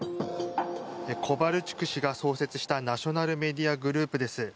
コバルチュク氏が創設したナショナル・メディア・グループです。